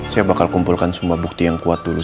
saya bakal kumpulkan semua bukti yang kuat dulu